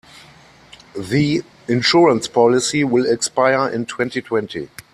The insurance policy will expire in twenty-twenty.